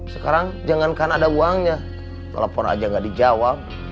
sekarang jangankan ada uangnya telepon aja gak dijawab